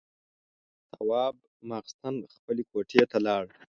تواب ماخستن خپلې کوټې ته لاړ.